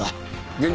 現状